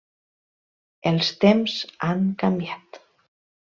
Els temps han canviat.